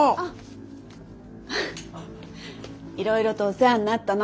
いろいろとお世話になったの。